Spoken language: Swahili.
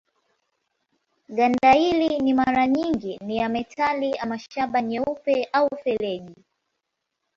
Ganda hili mara nyingi ni ya metali ama shaba nyeupe au feleji.